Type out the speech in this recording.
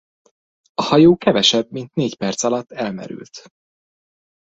A hajó kevesebb mint négy perc alatt elmerült.